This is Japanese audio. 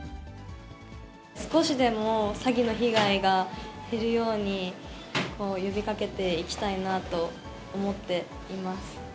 少しでも詐欺の被害が減るように、呼びかけていきたいなと思っています。